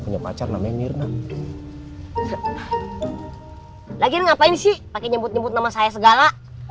punya pacar namanya mirna lagi ngapain sih pakai nyebut nyebut nama saya segala